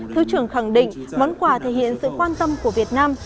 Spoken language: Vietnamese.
thứ trưởng khẳng định món quà thể hiện sự quan tâm của việt nam